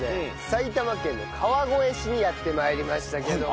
埼玉県の川越市にやって参りましたけども。